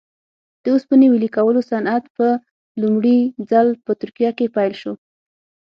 د اوسپنې ویلې کولو صنعت په لومړي ځل په ترکیه کې پیل شو.